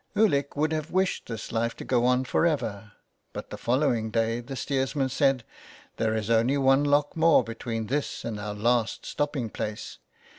Ulick would have wished this life to go on for ever, but the following day the steersman said :—" There is only one lock more between this and our last stopping place.